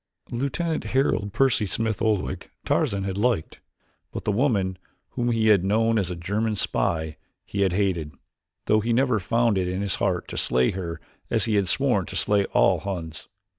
Lieutenant Harold Percy Smith Oldwick Tarzan had liked, but the woman whom he had known as a German spy he had hated, though he never had found it in his heart to slay her as he had sworn to slay all Huns.